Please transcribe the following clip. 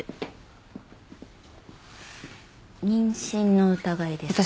妊娠の疑いですか？